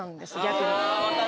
逆に。